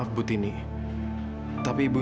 harus ngelakuk bu